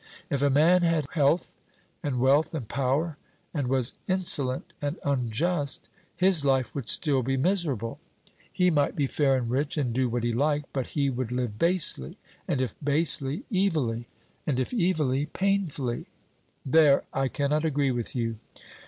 If a man had health and wealth, and power, and was insolent and unjust, his life would still be miserable; he might be fair and rich, and do what he liked, but he would live basely, and if basely evilly, and if evilly painfully. 'There I cannot agree with you.'